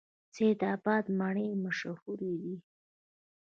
سید اباد مڼې مشهورې دي؟